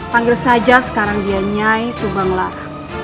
panggil saja sekarang dia nyai subanglarang